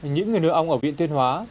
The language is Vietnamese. những người nuôi ong ở huyện tuyên hóa